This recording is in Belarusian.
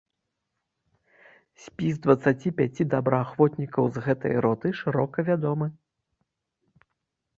Спіс дваццаці пяці добраахвотнікаў з гэтай роты шырока вядомы.